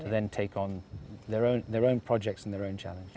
menjalankan proyek dan tantangan mereka sendiri